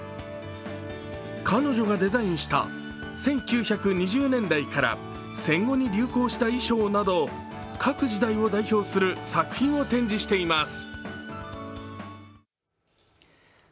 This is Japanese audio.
彼女がデザインした１９２０年代から戦後に流行した衣装など各時代を代表する作品を展示しています。